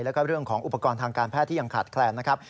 แล้วก็เรื่องของอุปกรณ์ทางการแพทย์ที่ยังขาดแคลนนะครับ